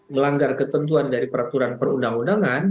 melanggar ketentuan dari peraturan perundang undangan